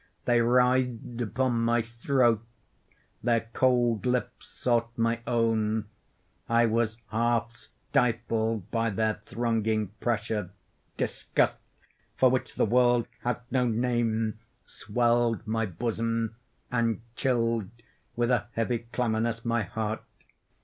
They writhed upon my throat; their cold lips sought my own; I was half stifled by their thronging pressure; disgust, for which the world has no name, swelled my bosom, and chilled, with a heavy clamminess, my heart.